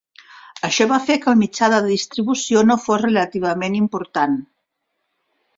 Això va fer que el mitja de distribució no fos relativament important.